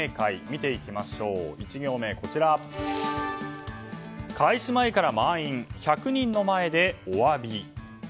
見ていきましょう、１行目は開始前から満員１００人の前でお詫び。